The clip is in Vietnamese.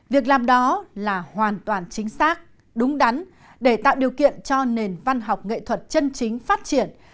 việc làm đó là hoàn toàn chính xác đúng đắn để tạo điều kiện cho nền văn học nghệ thuật chân chính phát triển